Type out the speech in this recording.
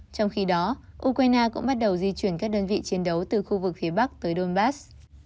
trong khi đó ukraine cũng bắt đầu di chuyển các đơn vị chiến đấu từ khu vực phía bắc tới donbass